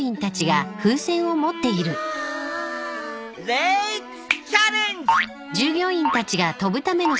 レッツチャレンジ！